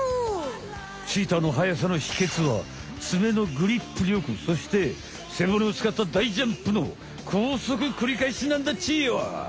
チーターの速さのひけつは爪のグリップりょくそして背骨を使った大ジャンプのこうそく繰り返しなんだっちよ！